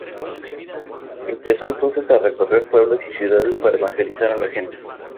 Empezó entonces a recorrer pueblos y ciudades para evangelizar a las gentes.